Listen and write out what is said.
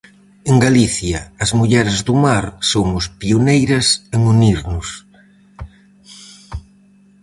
En Galicia, as mulleres do mar somos pioneiras en unirnos.